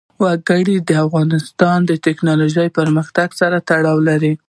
وګړي د افغانستان د تکنالوژۍ پرمختګ سره تړاو لري.